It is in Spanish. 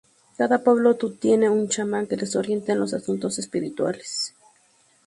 Cada pueblo tu tiene un chamán que les orienta en los asuntos espirituales.